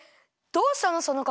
どうしたの？